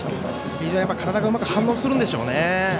体がうまく反応するんでしょうね。